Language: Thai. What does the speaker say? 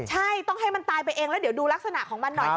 ใช่ต้องให้มันตายไปเองแล้วเดี๋ยวดูลักษณะของมันหน่อย